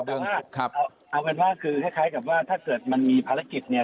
แต่ว่าเอาเป็นว่าคือคล้ายกับว่าถ้าเกิดมันมีภารกิจเนี่ย